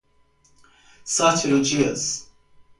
Sátiro Dias